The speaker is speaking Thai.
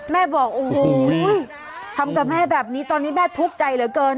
บอกโอ้โหทำกับแม่แบบนี้ตอนนี้แม่ทุกข์ใจเหลือเกิน